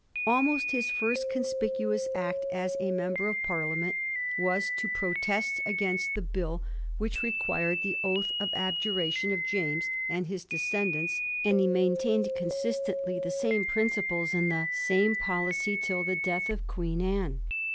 Almost his first conspicuous act as a Member of Parliament was to protest against the Bill which required the oath of abjuration of James and his descendants, and he maintained consistently the same principles and the same policy till the death of Queen Anne.